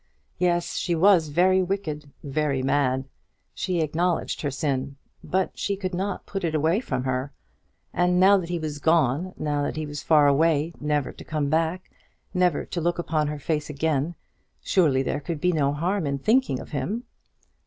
Yes; she was very wicked very mad. She acknowledged her sin, but she could not put it away from her. And now that he was gone, now that he was far away, never to come back, never to look upon her face again, surely there could be no harm in thinking of him.